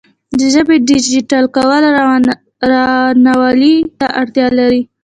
د ژبې ډیجیټل کول روانوالي ته اړتیا لري.